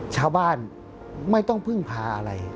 ชาวบ้านไม่ต้องพึ่งพาอะไร